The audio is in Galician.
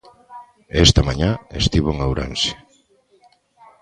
Esta mañá estivo en Ourense.